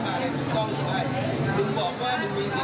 ไม่ใช่ไม่ผมไม่อยากบอกเลยนะ